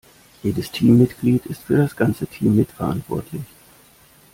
Jedes Teammitglied ist für das ganze Team mitverantwortlich.